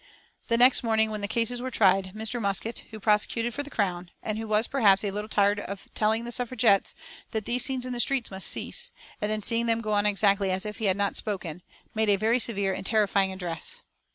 The next morning, when the cases were tried, Mr. Muskett, who prosecuted for the Crown, and who was perhaps a little tired of telling the Suffragettes that these scenes in the streets must cease, and then seeing them go on exactly as if he had not spoken, made a very severe and terrifying address.